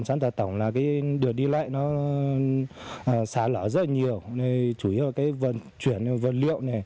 điều này xả lỏ rất nhiều chủ yếu là vận chuyển vật liệu